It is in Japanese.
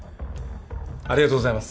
ありがとうございます。